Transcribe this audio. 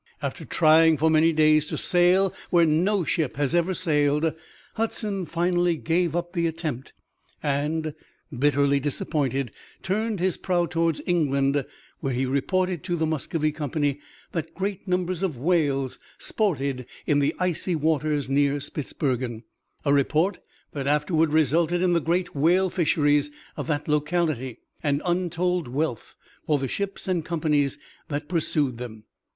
After trying for many days to sail where no ship has ever sailed, Hudson finally gave up the attempt, and, bitterly disappointed, turned his prow toward England, where he reported to the Muscovy Company that great numbers of whales sported in the icy waters near Spitzbergen a report that afterward resulted in the great whale fisheries of that locality and untold wealth for the ships and companies that pursued them.